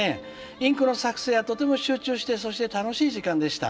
インクの作成はとても集中してそして楽しい時間でした。